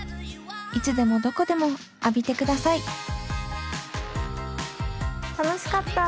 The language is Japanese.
いつでもどこでも浴びてください楽しかった。